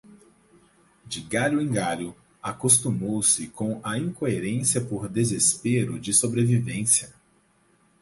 De galho em galho, acostumou-se com a incoerência por desespero de sobrevivência